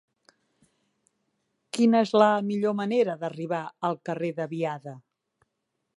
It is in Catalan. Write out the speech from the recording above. Quina és la millor manera d'arribar al carrer de Biada?